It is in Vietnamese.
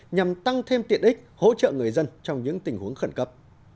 nhằm tăng thêm tiện ích hỗ trợ người dân trong những tình huống khẩn cấp